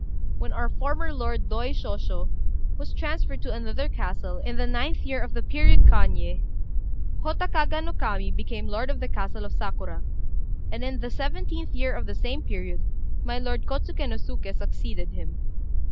"When our former lord, Doi Shosho, was transferred to another castle, in the 9th year of the period Kanyé, Hotta Kaga no Kami became lord of the castle of Sakura; and in the 17th year of the same period, my lord Kôtsuké no Suké succeeded him.